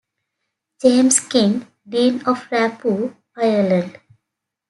James King, Dean of Raphoe, Ireland.